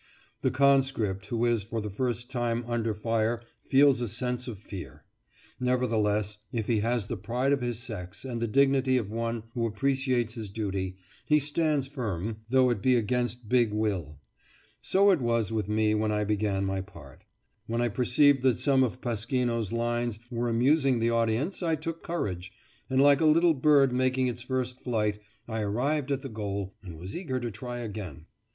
The conscript who is for the first time under fire feels a sense of fear. Nevertheless, if he has the pride of his sex, and the dignity of one who appreciates his duty, he stands firm, though it be against big will. So it was with me when I began my part. When I perceived that some of Pasquino's lines were amusing the audience, I took courage, and, like a little bird making its first flight, I arrived at the goal, and was eager to try again.